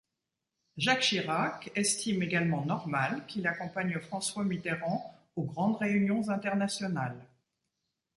Jacques Chirac estime également normal qu'il accompagne François Mitterrand aux grandes réunions internationales.